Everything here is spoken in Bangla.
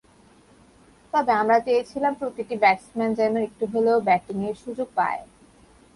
তবে আমরা চেয়েছিলাম প্রতিটি ব্যাটসম্যান যেন একটু হলেও ব্যাটিংয়ের সুযোগ পায়।